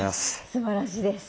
すばらしいです。